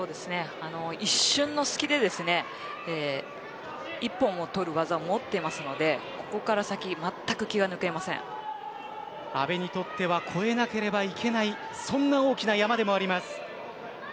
一瞬の隙で一本を取る技を持っているのでここから先阿部にとっては越えなければいけないそんな大きな山でもあります。